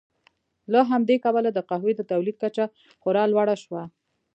له همدې کبله د قهوې د تولید کچه خورا لوړه شوه.